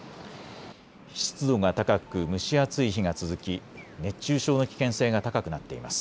湿度が高く、蒸し暑い日が続き熱中症の危険性が高くなっています。